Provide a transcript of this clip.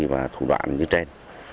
và thủ đoạn như trên